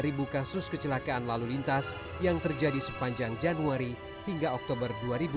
dibuka sus kecelakaan lalu lintas yang terjadi sepanjang januari hingga oktober dua ribu dua puluh satu